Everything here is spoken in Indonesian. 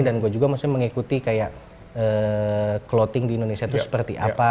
dan gue juga masih mengikuti kayak clothing di indonesia itu seperti apa